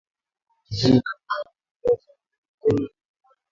Kampuni kamoa inaongozwa na wa zungu